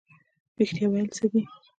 رښتیا ویل څه دي؟